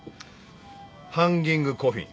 ハンギング・コフィン。